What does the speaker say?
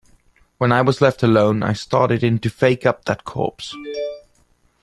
When I was left alone I started in to fake up that corpse.